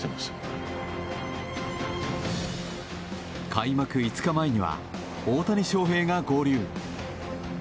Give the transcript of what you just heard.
開幕５日前には大谷翔平が合流。